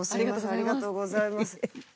ありがとうございます。